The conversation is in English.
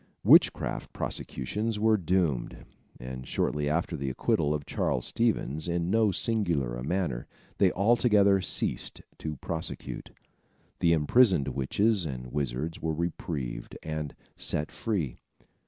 Witchcraft prosecutions were doomed, and shortly after the acquittal of Charles Stevens in so singular a manner, they altogether ceased to prosecute. The imprisoned witches and wizards were reprieved and set free.